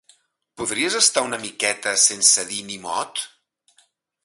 Podries estar una miqueta sense dir ni mot?